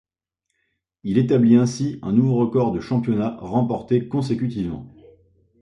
Il établit ainsi un nouveau record de championnats remportés consécutivement.